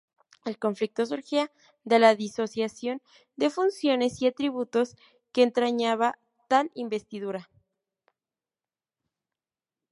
El conflicto surgía de la disociación de funciones y atributos que entrañaba tal investidura.